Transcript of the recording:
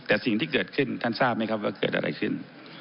แต่สิ่งที่เกิดขึ้นท่านทราบไหมครับว่าเกิดอะไรขึ้น